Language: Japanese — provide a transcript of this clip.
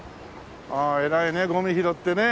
ああ偉いねゴミ拾ってね。